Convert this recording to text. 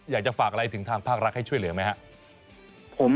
อยากจะฝากอะไรถึงทางภาครัฐให้ช่วยเหลือไหมครับ